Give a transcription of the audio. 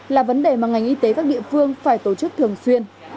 là vấn đề mà ngành y tế các địa phương phải tổ chức thường xuyên